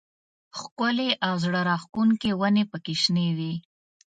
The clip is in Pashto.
ښکلې او زړه راښکونکې ونې پکې شنې وې.